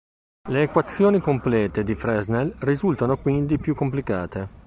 Le equazioni complete di Fresnel risultano quindi più complicate.